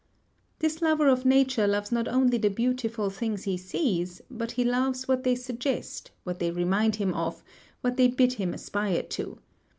This lover of nature loves not only the beautiful things he sees, but he loves what they suggest, what they remind him of, what they bid him aspire to.